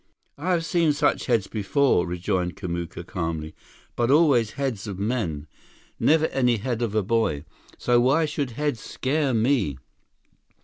"I have seen such heads before," rejoined Kamuka calmly, "but always heads of men. Never any head of a boy. So why should heads scare me?"